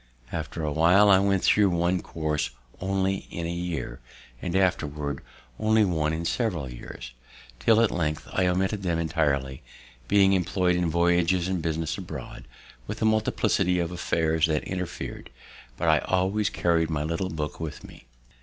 After a while I went thro' one course only in a year, and afterward only one in several years, till at length I omitted them entirely, being employ'd in voyages and business abroad, with a multiplicity of affairs that interfered; but I always carried my little book with me.